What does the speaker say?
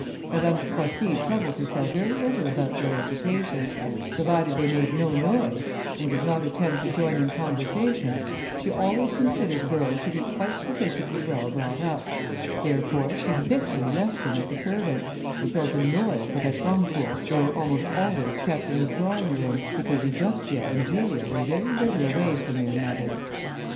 Madame de Croissy troubled herself very little about their education; provided they made no noise, and did not attempt to join in conversation, she always considered girls to be quite sufficiently well brought up; therefore she habitually left them with the servants, and felt annoyed, that at Romecourt they were almost always kept in the drawing room, because Eudoxia and Julia were very little away from their mothers.